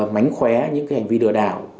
mánh khóe những cái hành vi lừa đảo